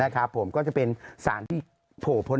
ก็จะเป็นสารที่โผล่พ้นมาก